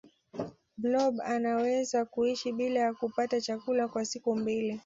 blob anaweza kuishi bila ya kupata chakula kwa siku mbili